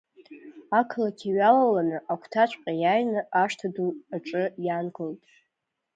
Ақалақь иҩалаланы агәҭаҵәҟьа иааины, ашҭа ду аҿы иаангылт.